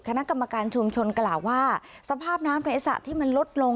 คณะกรรมการชุมชนกล่าวว่าสภาพน้ำในสระที่มันลดลง